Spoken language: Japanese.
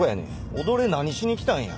オドレ何しに来たんや？